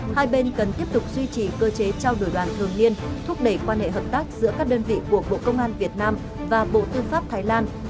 hai bên cần tiếp tục duy trì cơ chế trao đổi đoàn thường niên thúc đẩy quan hệ hợp tác giữa các đơn vị của bộ công an việt nam và bộ tư pháp thái lan